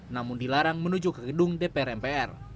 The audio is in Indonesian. namun dilarang menuju ke gedung dpr mpr